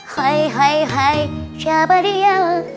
hai hai hai siapa dia